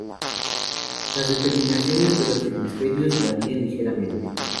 Las determinaciones de los hemisferios varían ligeramente.